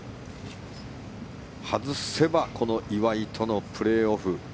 外せばこの岩井とのプレーオフ。